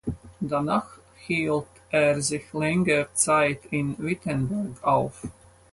Danach hielt er sich länger Zeit in Wittenberg auf.